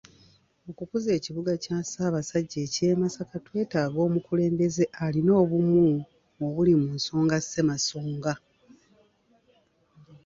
Okukuza ekibuga kya Ssaabasajja ekya Masaka twetaaga omukulembeze alina obumu obuli mu nsonga ssemasonga.